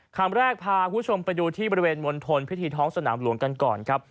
คำแรกพาคุณผู้ชมไปดูที่บริเวณมณฑลพิธีท้องสนามหลวงกันก่อนครับ